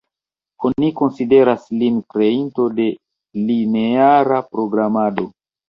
Oni konsideras lin kreinto de lineara programado.